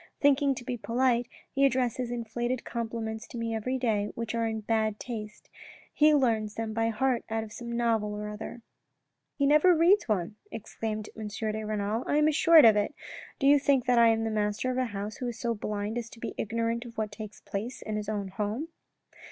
Thinking to be polite, he addresses inflated compliments to me every day, which are in bad taste. He learns them by heart out of some novel or other." " He never reads one," exclaimed M. de Renal. " I am assured of it. Do you think that I am the master of a house who is so blind as to be ignorant of what takes place in his own home."